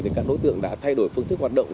thì các đối tượng đã thay đổi phương thức hoạt động